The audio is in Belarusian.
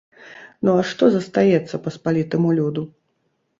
Ну а што застаецца паспалітаму люду?